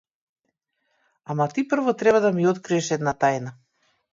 Ама ти прво треба да ми откриеш една тајна!